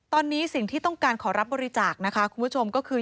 ตอนนี้สิ่งที่ต้องการขอรับบริจาคนะคะคุณผู้ชมก็คือ